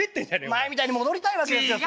前みたいに戻りたいわけですよ。